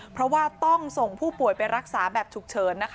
เพราะว่าต้องส่งผู้ป่วยไปรักษาแบบฉุกเฉินนะคะ